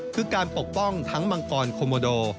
คือการปกป้องทั้งมังกรโคโมโด